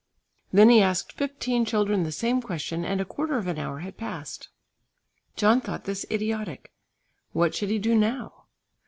Then he asked fifteen children the same question and a quarter of an hour had passed. John thought this idiotic. What should he do now?